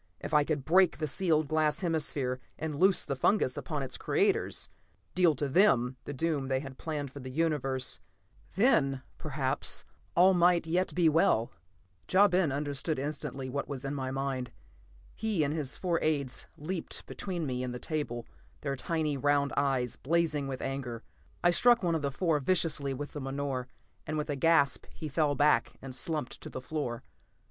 If I could break the sealed glass hemisphere, and loose the fungus upon its creators; deal to them the doom they had planned for the universe, then perhaps all might yet be well. Ja Ben understood instantly what was in my mind. He and his four aides leaped between me and the table, their tiny round eyes blazing with anger. I struck one of the four viciously with the menore, and with a gasp he fell back and slumped to the floor.